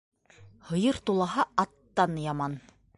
Һыйыр тулаһа, аттан яман.